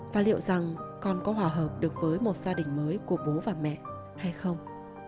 và liệu rằng con có hòa hợp được với một gia đình mới của bố và mẹ hay không